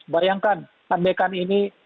bayangkan pandekan ini